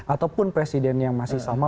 ataupun presiden yang masih sama